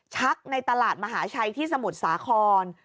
ในตลาดมหาชัยที่สมุทรสาคร